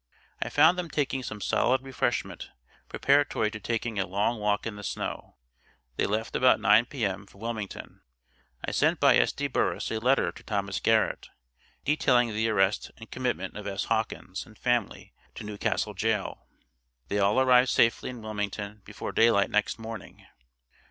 I found them taking some solid refreshment, preparatory to taking a long walk in the snow. They left about nine P.M., for Wilmington. I sent by S.D. Burris a letter to Thomas Garrett, detailing the arrest and commitment of S. Hawkins and family to New Castle jail. They all arrived safely in Wilmington before daylight next morning.